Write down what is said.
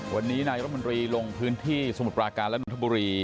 วันนี้นายรัฐมนตรีลงพื้นที่สมุทรปราการและนนทบุรี